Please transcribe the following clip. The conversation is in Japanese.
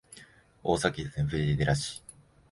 大阪府藤井寺市